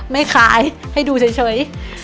ไม่ขายให้ดูเฉย